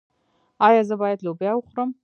ایا زه باید لوبیا وخورم؟